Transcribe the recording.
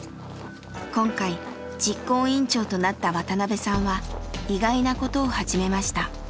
今回実行委員長となった渡邊さんは意外なことを始めました。